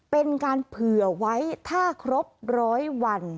เป็นการเผื่อไว้ถ้าครบร้อยวัน